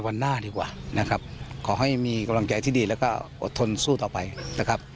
หน้าดีกว่านะครับขอให้มีกำลังใจที่ดีแล้วก็อดทนสู้ต่อไปนะครับ